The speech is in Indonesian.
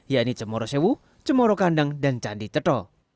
yaitu cemoro sewu cemoro kandang dan candi cetro